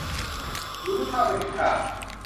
รู้เท่าไม่ถึงการ